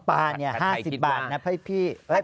อ๋อปลาเนี่ย๕๐บาทนะพี่พี่